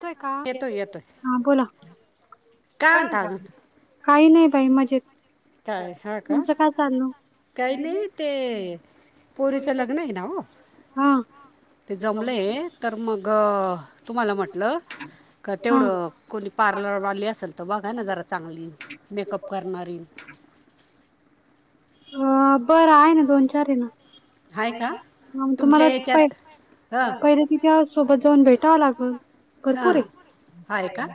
तोय का? हा बोला. काही नाही बाई मजेत काय हा का, काही नाही ते पोरीचं लग्न आहे ना हो. हा. ते जमलय तर मगं तुम्हाला म्हटलं का तेवढं कोणी पार्लरवाली असल तर बघा ना जरा चांगली, मेकअप करणारी. अ बरं आहे ना, दोन चार आहे ना. तुम्हाला प, पहिले तिच्या सोबत जाऊन भेटावं लागल. हां, आहे का?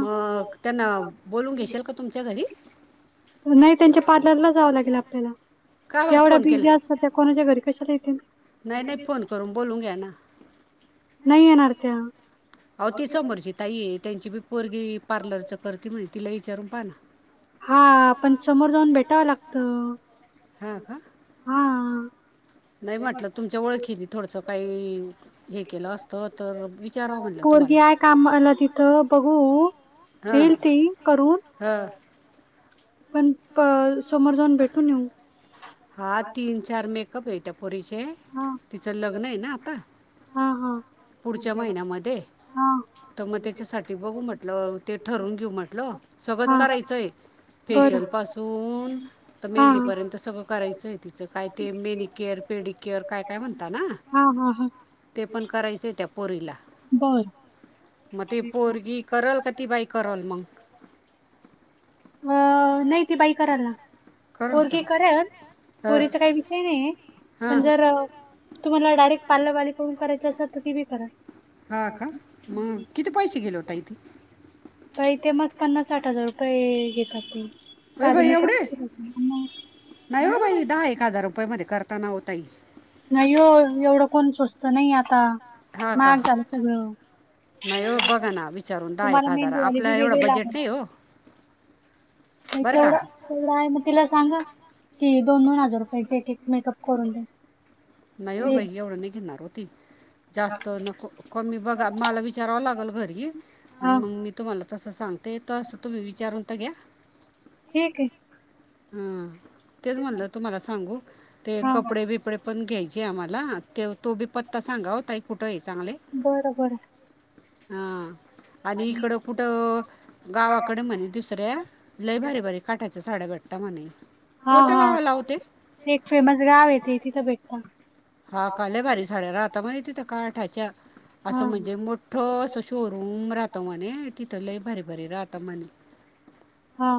मग त्यांना बोलवून घेशील का तुमच्या घरी? नाही त्यांच्या पार्लरला जावं लागेल आपल्याला. एवढ्या बिझी असतात त्या, कोणाच्या घरी कशाला येतील. करून बोलावून घ्या ना नाही येणार त्या. अहो ती समोरची ताई त्यांची बी पोरगी पार्लरचं करते म्हणे, तिला विचारून पाह ना. हा पण समोर जाऊन भेटावं लागतं. हां का? हां नाही म्हटलं तुमच्या ओळखीने थोडसं काही हे केलं असत तर विचारावं म्हटलं तुम्हाला. मला तिथं बघू, देईल ती करून हां. पण समोर जाऊन भेटून येऊ. हा तीन- चार मेकअप हे त्या पोरींचे, तिचं लग्न आहे ना आता. हा हा. पुढच्या महिन्यामध्ये, तर मग त्याच्यासाठी बघू म्हटलं ते ठरवून घेऊ म्हटलं. सगळंच करायचंय, फेशियल पासून तर मेहंदीपर्यंत सगळं करायचंय तिचं, काय ते मेनी केेअर पेडी केेअर काय काय म्हणत ना? हा हा हा. ते पण करायचं त्या पोरीला. बरं. म ते पोरगी करल का ती बाई करल मंग. अ नाही ती बाई करल ना. पोरगी करन पोरीचा काही विषय नाही आहे पण जर तुम्हाला डायरेक्ट पार्लरवाली कडून करायच असल तर ती बी करा. हा का मग किती पैसे गेले होता इथे? पहि ते मग पन्नास साठ हजार रुपये घेतात ते सादे मेकअप. [unintelligible] नाही हो बाई दहा एक हजार रुपया मध्ये करताना हो ताई. नाही हो एवढं कोण स्वस्त नाही आता महाग झाला सगळं. तुम्हाला मेहंदीवाले बी वेगळे लागन. तेवढा तेवढा आहे मग तिला सांगा की दोन-दोन हजार रुपयेचे एक एक मेकअप करून दे. नाही ओ बाई एवढं नाही घेणार हो ती जास्त नको. कमी बघा मला विचारावं लागल घरी आणि मग मी तुम्हाला तसं सांग ते तो असं तुम्ही विचारून तर घ्या. ठीक आहे. हा तेच म्हणलं तुम्हाला सांगू ते कपडे-बिपडे पण घ्यायचे आम्हाला ते तो बी पत्ता सांगा ओ ताई कुठं आहे चांगले. बरं बरं. हां. आणि इकडं कुठं गावाकडे म्हणे दुसऱ्या लय भारी-भारी काठाचं साड्या भेट तात म्हणे. हा हा एक फेमस गाव आहे ते तिथं भेटता. हा का लय भारी साड्या राहता म्हणे तिथ काठाच्या. असं म्हणजे मोठं असं शोरूम राह तं म्हणे तिथ लई भारी-भारी राहतं म्हणे. हा.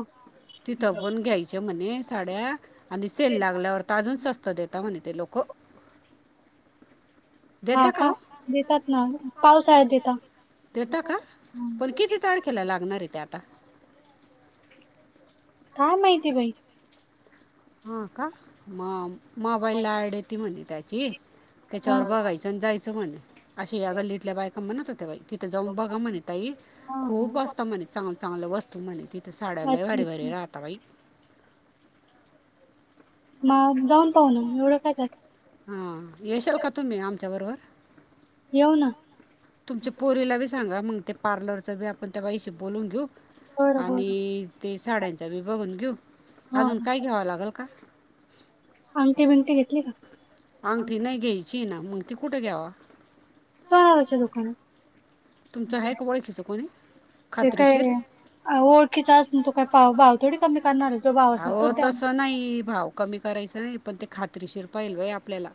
तिथ पण घ्यायच्या म्हणे साड्या आणि सेल लागल्यावर तर अजून स्वस्त देतात म्हणे ते लोकं. हा का देतात ना पावसाळ्यात देता. देता का पण किती तारखेला लागणार आहे ते आता? काय माहिती बाई. हा का म मोबाईल ला ऍड येती म्हणे त्याची. त्याच्यावर बघायचं आणि जायचं म्हणे अशी या गल्लीतल्या बायका म्हणत होत्या बाई ती थे जाऊन बघा म्हणे ताई खूप असतं म्हणे चांगलं चांगलं वस् तू म्हणे तिथं साड्या लय भारी-भारी राहता बाई. मग जाऊन पाहू ना एवढं काय त्यात. हा येशाल का तुम्ही आमच्या बरोबर? येऊ ना. तुमच्या पोरीला बी सांगा मांगते पार्लरच बी आपण त्या बाईशी बोलून घेऊ आणि ते साड्यांचा बी बघून घेऊ अजून काय घ्याव लागेल का? अंगठी बिंगटी घेतली का? अंगठी नाही घ्यायची ना मंग ती कुठं घ्यावा? सोनाराच्या दुकानात. तुमचं आहे का ओळखीचं कोणी खात्रीशीर? ओळखीचा असून तो काही भाव थोडी कमी करणार आहे जो भाव असेल तोच देणार. कमी करायच नाही पण ते खात्रीशीर पाहिल बाई आपल्याला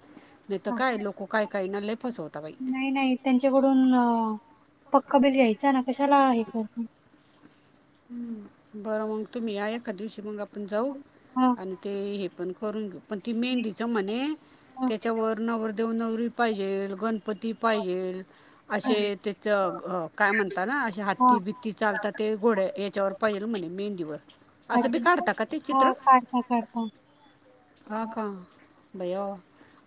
नाही तर काय लोक काय काहींना लई फसवता बाई. नाही नाही त्यांच्याकडून पक्क बिल घ्यायचा ना. कशाला हे कर- हम्म बरं मग तुम्ही या एखाद दिवशी मग आपण जाऊ आणि ते हे पण करून घेऊ पण ती मेहंदीच म्हणे त्याच्यावर नवरदेव नवरी पाहिजेल गणपती पाहिजेल अशे ते काय म्हणता ना हत्ती बित्ती चालतात ते घोड्या याच्यावर पाहिजेल म्हणे मेहंदीवर. असं बी काढता का ते चित्र? हा काढता. हा का बया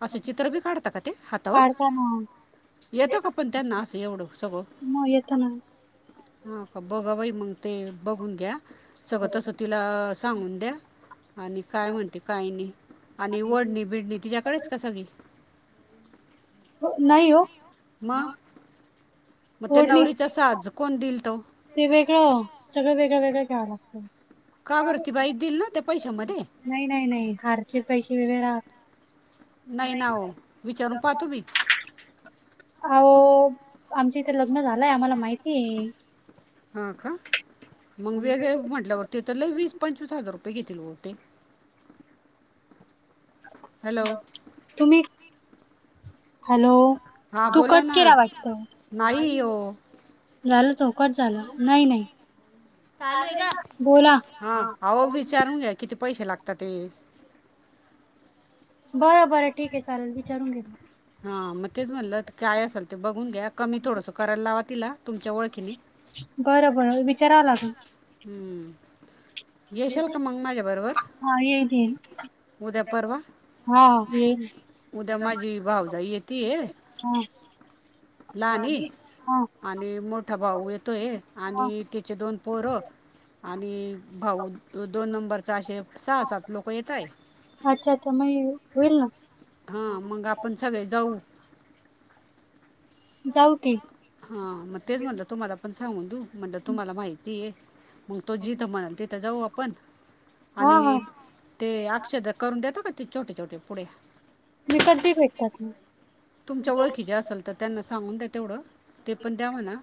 असं चित्र बी काढता का ते हातावर? येतो का पण त्यांना असं एवढं सगळं? मग येत ना. हा का बघा बाई मग ते बघून घ्या सगळं तसच तिला सांगून द्या, आणि काय म्हणते काही नाही, आणि ओढणी बिडणी तिच्याकडेच का सगळी? हो नाही ओ. मग त्या नवरीचा साज कोण दिल तो? ते वेगळं सगळं वेगळं वेगळं घ्यावं लागतं. का बर ती बाई दिल ना त्या पैशामध्ये? नाही नाही नाही हारचे पैसे वेगळे राहात नाही ना ओ विचारून पहा तूम्ही, आ ओ आमच्या इथे लग्न झालंय आम्हाला माहितीय. हा का मग वेगळे म्हटल्यावर ते तर लई वीस पंचवीस हजार रुपये घेतील मग ते. तुम्ही हॅलो तू कट केला वाटत? नाही झालं तो कट झालं नाही नाही, चालू आहे का, हा अह विचारून घ्या किती पैसे लागतात ते? बरं बरं ठीक आहे चालेल विचारून घेतो. हा मग तेच म्हणलं काय असेल ते बघून घ्या कमी थोडंसं करायला लावा तिला तुमच्या ओळखीने बरं बर विचारावं लागेल. हम्म येशाल का मंग माझ्या बरोबर उद्या परवा? हा येईल न. उद्या माझी भाऊज येतिये हे हा आणि मोठा भाऊ येतोय आणि तेच दोन पोरं आणि भाऊ दोन नंबरचा असे सहा सात लोक येतायत. अच्छा अच्छा मग होईल ना. हा मग आपण सगळे जाऊ जाऊ की, हा मग तेच म्हणलं तुम्हाला पण सांगून देऊ म्हणलं तुम्हाला पण माहिती हे. मग तो जिथं म्हणाल तिथं जाऊ आपण आणि ते अक्षदा. करून द्याेत होतत की, छोटे-छोटे पुड्या. विकत बी भेटतात ना. तुमच्या ओळखी ज्या असेल तर त्यांना, सांगून द्या तेवढं. ते पण द्या म्हणा,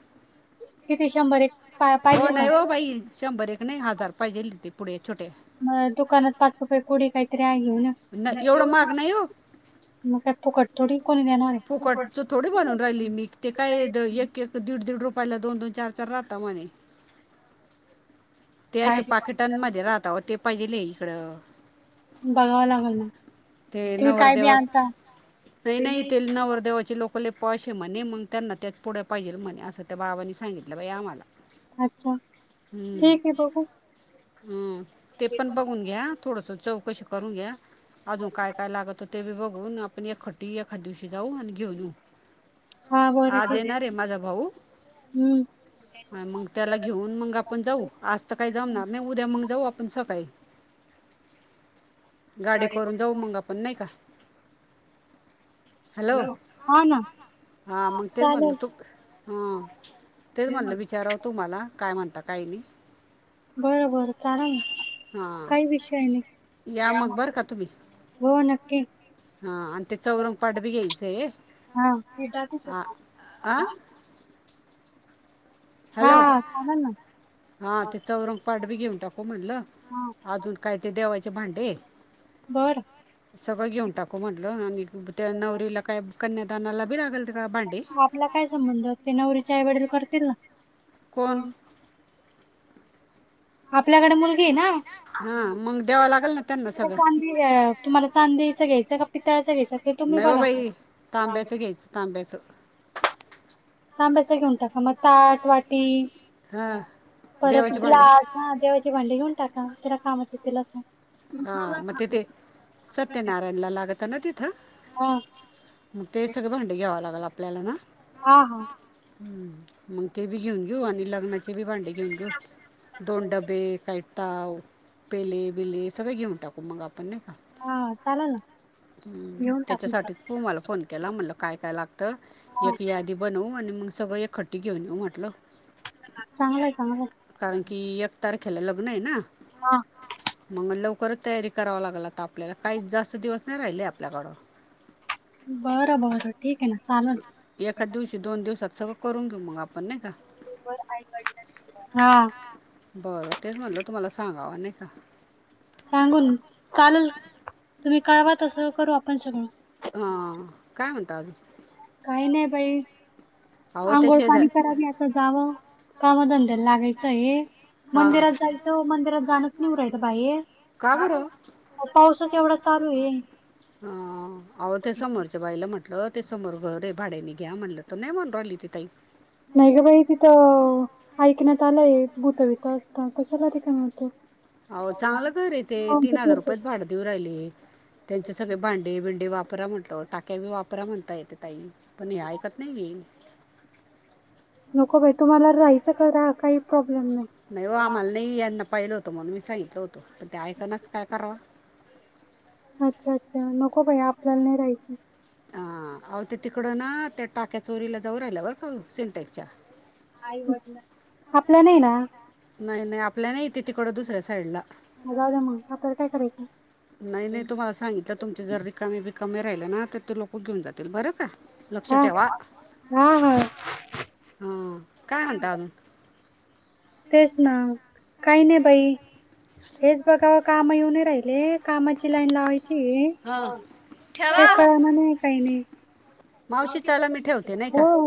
ओ नाही ओ बाई. शंभर-एक नाही, हजार पाहिजेल आहेत तेे पुडे छोटे. म दुकानात पाच रुपये पुडी काहीतरी आहे, घेऊन या, नाही, एवढे महाग. मग काय, फुकट थोडी कोणी देणारे. फोकटचं थोडी बनवून राहिली मी ते, काय एक-एक दीड-दीड रुपयाला दोन-दोन, चार-चार राहतात म्हणे. ते अशे पाकिटांमध्ये राहता व ते, पाहिजेल इकडं. बघावं लागल मग. ते नवरदेवा लय नाही, ते नवरदेवाचे लोक. क लई पॉश म्हणे! मग त्यांना त्यात पुड्या पाहिजे, म्हणे. असं त्या बाबांनी सांगितलं बाई आम्हाला. हम्म-हम्म, ते पण बघून घ्या. थोडंसं चौकशी करून घ्या. अजून काय-काय लागतं, ते बी बघू. आपण एकखटी एखाद दिवशी जाऊ आणि घेऊन येऊ. आज येणार रे माझा भाऊ मग त्याला घेऊन मग आपण जाऊ. आज तर काही जमणार म, उद्या मग जाऊ आपण सकाळी. [unintelligible] भरून जाऊ मग आपण नाही का? हॅलो. हा, ना. हा, मग तेच म्हणलं तू हा. तेच म्हणलं, विचारावं तुम्हाला. काय म्हणता काही नाही? बरं-बरं, चालेल ना. काही विषय नाही, या मग, हो नक्की. हां, आणि ते चौरंगपाठ बी घ्यायचं आहे, आ, अं हॅलो, हां. ते चौरंग पाठ घेऊन टाकू म्हटलं अजून काय ते देवाचे भांडे, सगळं घेऊन टाकू. टाकू म्हटलं. आणि त्या नवरीला काही कन्यादानाला बी लागत का भांडी? आपला काय संबंध? ते नवरीच्या आई -वडील करतील ना. कोण? आपल्याकडे मुलगी आहे ना, ती कोण बी घ्या तुम्हांला चांदीचं घ्यायचं का. पितळाचं घ्यायचं, ते तुम्ही बघा. तांब तांब्याच. तांब्याचा घेऊन टाका मगं, ताट, वाटी, परत ग्लास हा, देवाची भांडी घेऊन टाका, तिला कामात येतील असं. हा, मगं तिथे सत्यनारायणला लागत ना तिथं? ते सगळं भांडे घ्यावं लागेल आपल्याला ना? हां-हां. हम्म, मग ते बी घेऊन घेऊ, आणि लग्नाचे भी भांडे घेऊन घेऊ दोन डब्बे, कायताव पेले-बिले सगळे घेऊन टाकू मग आपण, नाही का? हां, चालेल ना? हम्म, त्याच्यासाठी तुम्हाला फोन केला. म्हटलं, काय-काय लागतं. एक यादी बनवू आणि मगं सगळं एक खट्टी घेऊन येऊ म्हटलं. चांगलाय, चांगलाय. कारण की, एक तारखेला लग्न आहे ना. हां. मंग लवकरच तयारी करावं लागंल आता आपल्याला, काही जास्त दिवस नाही राहिलेय आपल्याकडं. बरं, बरं ठीक आहे ना चाललं. एकाच दिवशी, दोन दिवसात सगळं करून घेऊ मगं आपण नाही का? हा हां, बरं तेच म्हणलं तुम्हाला सांगावं नाही का. सांगून चाललं, तुम्ही कळवा तसं करू आपण सगळं. हां काय म्हणता अजून? काही नाही बाई, आंघोळ पाणी कराले आत आता जावं कामधंद्याला लागायचं आहे. मंदिरात जायचं हो, मंदिरात जाणंच नाही हु राहिलं बाहेर. अहो, पाऊसच एवढा चालू ये. हां... अहो, त्या समोरच्या बाईला म्हटलं ते समोर घर आहे भाड्याने घ्या म्हटलं, तर नाही म्हणून राहिली ती ताई. नाही ग बाई तिथं, ऐकण्यात आलंय भुतबितं असता, कशाला राहती काय माहितं. अहो, चांगलं घर आहे ते तीन हजार रुपयात भाड देऊ राहिले. त्यांचे सगळे भांडी बिंडे वापरा म्हटलं ओ टाक्या भी वापरा म्हणता ये त्या ताई. पण ही ऐकत नाहीय. नको बाई तुम्हांला राहायचं का रहा, काही प्रॉब्लेम नाही. नाही हो आम्हांला नाही यांना पाहिलं होतं म्हणून मी सांगितलं होतं, पण ते ऐकानाच काय कराव?. अच्छा, अच्छा, नको बाई आपल्याला नाही राहायचं. हां, अहो ते तिकडं ना त्या टाक्या चोरीला जाऊ राहिल्या बरं का हो सिनटेकच्या. आईवडिलां आपल्या नाही ना. नाही, नाही आपल्या नाही ते तिकडं दुसऱ्या साईडला. हां जाऊ द्या मगं आपल्याला काय करायचं. नाही-नाही तुम्हांला सांगितलं, तुमची जर रिकामी- बिकामी राहिले ना तर, ते लोक घेऊन जातील बरं का. लक्ष ठेवा, हा काय म्हणता अजून? तेच ना काही नाही बाई. हेच बघा कामं येऊ नई राहिले कामाची लाईन लावायची ये. काय कामं नाही, काय नाही. हो....